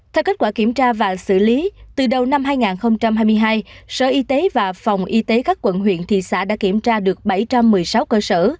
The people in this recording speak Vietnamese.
theo kết quả kiểm tra và xử lý từ đầu năm hai nghìn hai mươi hai sở y tế và phòng y tế các quận huyện thị xã đã kiểm tra được bảy trăm một mươi sáu cơ sở